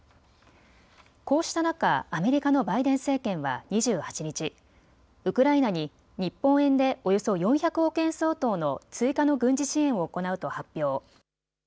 こうした中、アメリカのバイデン政権は２８日、ウクライナに日本円でおよそ４００億円相当の追加の軍事支援を行うと発表。